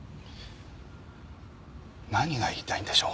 何が言いたいんでしょう？